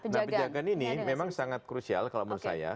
nah penjagaan ini memang sangat krusial kalau menurut saya